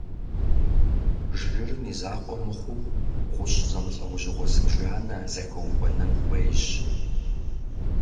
Жырым и закъуэ мыхъуу, гъущӏ зэмылӏэужьыгъуэ зыбжанэ зэхэухуэнэн хуейщ.